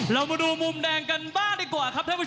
เรามาดูมุมแดงกันบ้างดีกว่าครับ